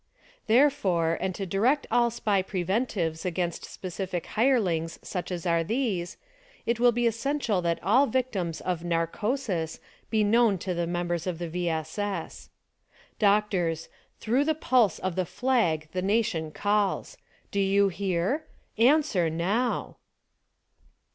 Therefore, and to direct all SPY preventives against specific hirelings such as are these, it will he essential that all victims of "narcosis" be known to the members of the V. S. S. Doctors: Through the pulse of the flag the nation calls. Do you hear? Answer Now